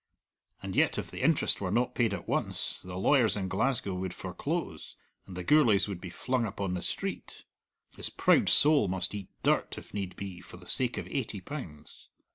And yet if the interest were not paid at once, the lawyers in Glasgow would foreclose, and the Gourlays would be flung upon the street. His proud soul must eat dirt, if need be, for the sake of eighty pounds.